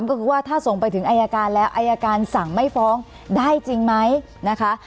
ก็คือว่าถ้าส่งไปถึงอายการแล้วอายการสั่งไม่ฟ้องได้จริงไหมนะคะ